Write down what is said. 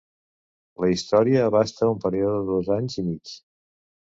La història abasta un període de dos anys i mig.